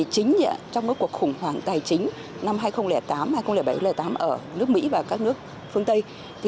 chính trong cuộc khủng hoảng tài chính năm hai nghìn tám hai nghìn bảy tám ở nước mỹ và các nước phương tây